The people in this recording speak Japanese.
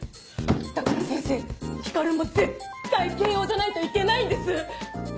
だから先生光も絶対慶応じゃないといけないんです！